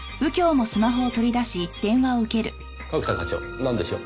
角田課長なんでしょう？